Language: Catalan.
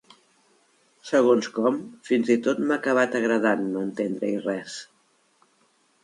Segons com, fins i tot m'ha acabat agradant no entendre-hi res.